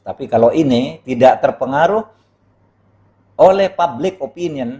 tapi kalau ini tidak terpengaruh oleh public opinion